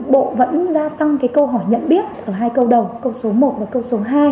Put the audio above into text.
bộ vẫn gia tăng cái câu hỏi nhận biết ở hai câu đầu câu số một và câu số hai